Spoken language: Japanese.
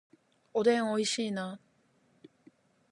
おでん美味しいな